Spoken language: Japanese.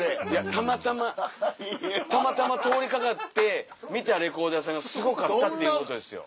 たまたまたまたま通りかかって見たレコード屋さんがすごかったっていうことですよ。